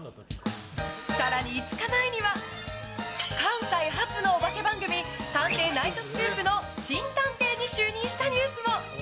更に５日前には関西発のお化け番組「探偵！ナイトスクープ」の新探偵に就任したニュースも。